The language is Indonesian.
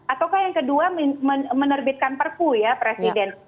ataukah yang kedua menerbitkan perpu ya presiden